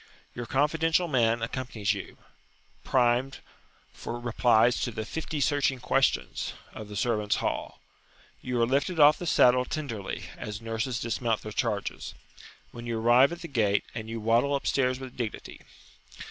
Your confidential man accompanies you, primed for replies to the "fifty searching questions" of the "servants' hall." You are lifted off the saddle tenderly, as nurses dismount their charges, when you arrive at the gate; and you waddle upstairs with dignity.